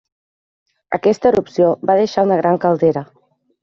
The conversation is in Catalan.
Aquesta erupció va deixar una gran caldera.